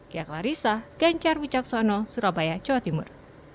kia klarissa ganjar wicaksono surabaya jawa timur